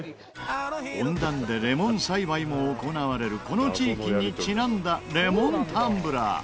温暖でレモン栽培も行われるこの地域にちなんだレモンタンブラー。